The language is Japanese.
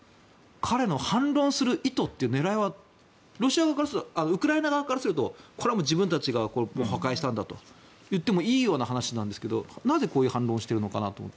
彼の反論する意図というか狙いはウクライナ側からすると自分たちが破壊したんだといいようなはなしなんですがなぜこういう反論をしているのか。